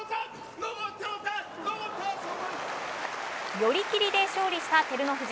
寄り切りで勝利した照ノ富士。